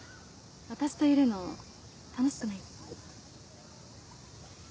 私といるの楽しくない？